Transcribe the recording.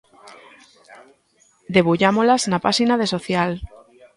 Debullámolas na páxina de Social.